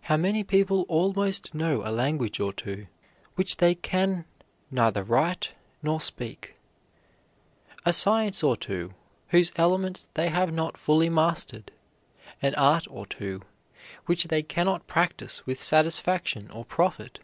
How many people almost know a language or two, which they can neither write nor speak; a science or two, whose elements they have not fully mastered; an art or two, which they can not practise with satisfaction or profit!